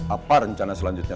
apa rencana selanjutnya tuan